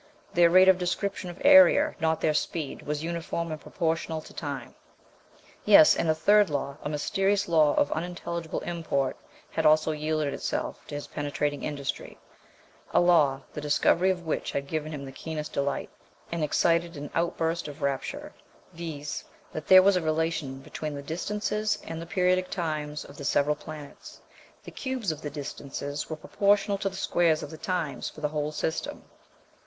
Their rate of description of area, not their speed, was uniform and proportional to time. Yes, and a third law, a mysterious law of unintelligible import, had also yielded itself to his penetrating industry a law the discovery of which had given him the keenest delight, and excited an outburst of rapture viz. that there was a relation between the distances and the periodic times of the several planets. The cubes of the distances were proportional to the squares of the times for the whole system.